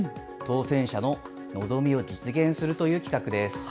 当せん者ののぞみを実現するという企画です。